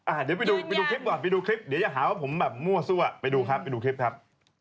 เดี๋ยวไปดูไปดูคลิปก่อนไปดูคลิปเดี๋ยวอย่าหาว่าผมแบบมั่วซั่วไปดูครับไปดูคลิปครับ